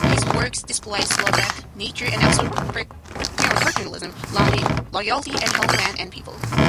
His works display Slovak nature and also patriotism, loyalty to homeland and people.